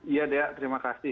iya dea terima kasih